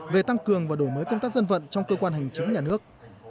về tăng cường và đổi mới công tác dân vận trong cơ quan hành chính nhà nước